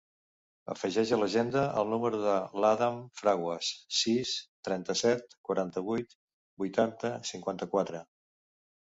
Afegeix a l'agenda el número de l'Adam Fraguas: sis, trenta-set, quaranta-vuit, vuitanta, cinquanta-quatre.